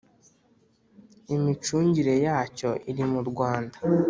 imicungire yacyo iri mu Rwanda